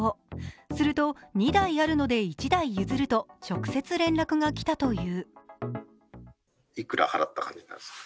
すると２台あるので１台譲ると直接連絡が来たという。